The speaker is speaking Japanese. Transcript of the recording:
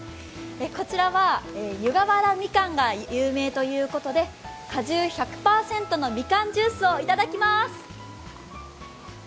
こちらは湯河原みかんが有名ということで果汁１００％のみかんジュースを頂きます。